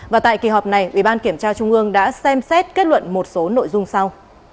và tại kỳ họp này ủy ban kiểm tra trung ương đã xem xét kết luận một số nội dung sau